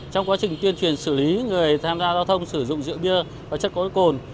trong quá trình tuyên truyền xử lý người tham gia giao thông sử dụng rượu bia và chất có cồn